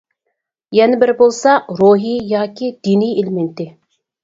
يەنە بىرى بولسا «روھىي» ياكى دىنىي ئېلېمېنتى.